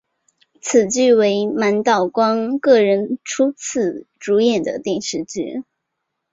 此剧为满岛光个人初次主演的电视剧。